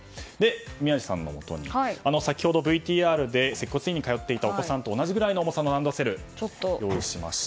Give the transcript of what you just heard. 宮司さんのもとに先ほどＶＴＲで接骨院に通っていたお子さんと同じぐらいの重さのランドセルを用意しました。